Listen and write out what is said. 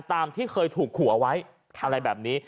ตามที่เคยถูกขัวไว้ทำอะไรแบบนี้